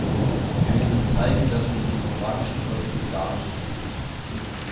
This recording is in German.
Wir müssen zeigen, dass wir mit dem kubanischen Volk solidarisch sind.